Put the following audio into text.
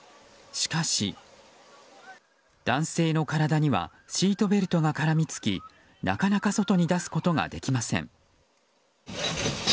しかし、男性の体にはシートベルトが絡みつきなかなか外に出すことができません。